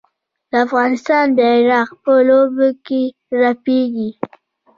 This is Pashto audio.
د افغانستان بیرغ په لوبو کې رپیږي.